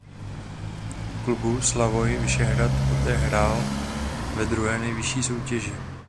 V klubu Slavoj Vyšehrad poté hrál ve druhé nejvyšší soutěži.